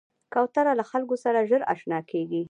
کوتره له خلکو سره ژر اشنا کېږي.